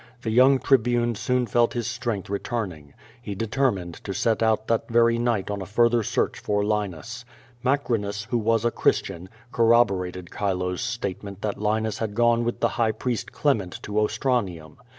The young Tribune soon felt his strength return ing. He determined to set out that very night on a further search for Linus. Macrinus, who was a Christian, corrobo rated Chilo's statement that Linus had gone with the High Priest Clement to Ostranium.